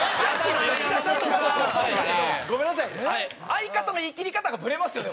相方のイキり方がブレますよね